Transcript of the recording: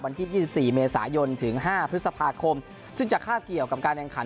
วันที่๒๔เมษายนถึง๕พฤษภาคมซึ่งจะคาบเกี่ยวกับการแข่งขัน